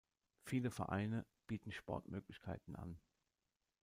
Viele Vereine bieten Sportmöglichkeiten an.